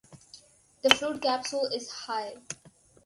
The fruit capsule is high.